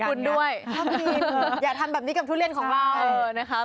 ชอบกินอย่าทำแบบนี้กับทุเรียนของเรา